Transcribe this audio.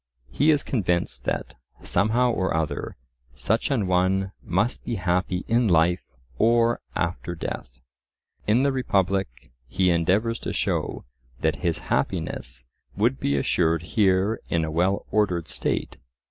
He is convinced that, somehow or other, such an one must be happy in life or after death. In the Republic, he endeavours to show that his happiness would be assured here in a well ordered state.